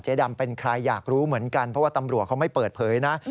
ดำเป็นใครอยากรู้เหมือนกันเพราะว่าตำรวจเขาไม่เปิดเผยนะ